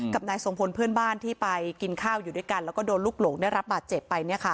นายทรงพลเพื่อนบ้านที่ไปกินข้าวอยู่ด้วยกันแล้วก็โดนลูกหลงได้รับบาดเจ็บไป